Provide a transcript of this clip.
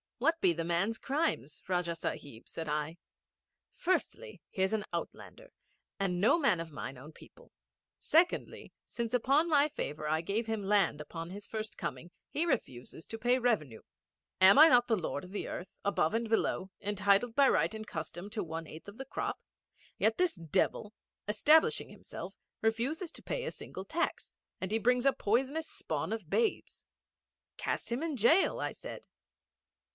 'What be the man's crimes, Rajah Sahib?' said I. 'Firstly, he is an outlander and no man of mine own people. Secondly, since of my favour I gave him land upon his first coming, he refuses to pay revenue. Am I not the lord of the earth, above and below, entitled by right and custom to one eighth of the crop? Yet this devil, establishing himself, refuses to pay a single tax; and he brings a poisonous spawn of babes.' 'Cast him into jail,' I said.